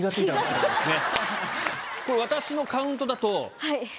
私のカウントだと。